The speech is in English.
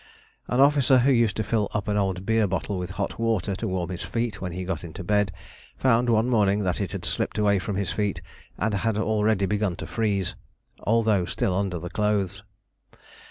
An officer who used to fill up an old beer bottle with hot water to warm his feet when he got into bed, found one morning that it had slipped away from his feet and had already begun to freeze, although still under the clothes!